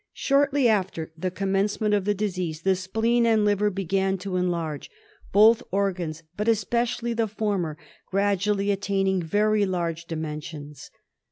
Shortly after the commencement of the disease, the spleen and liver began to enlarge, both organs, but es KALA AZAR. 133 pecially the former, gradually attaining very large dimen / sions.